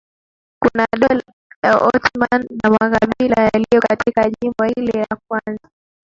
kuwa Dola ya Ottoman na makabila yaliyo katika jimbo hili yakaanza